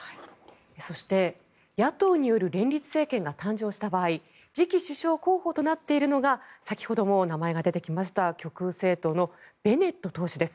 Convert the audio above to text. そして、野党による連立政権が誕生した場合次期首相候補となっているのが先ほども名前が出てきました極右政党のベネット党首です。